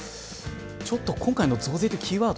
ちょっと今回の増税というキーワード。